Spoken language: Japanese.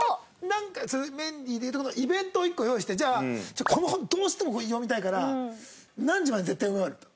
なんかメンディーで言うとこのイベントを１個用意して「じゃあちょっとこの本どうしてもこれ読みたいから何時までに絶対読み終わる」と。